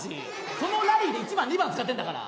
そのラリーで１番２番使ってんだから！